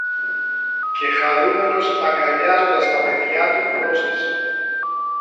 Και χαρούμενος, αγκαλιάζοντας τα παιδιά του πρόσθεσε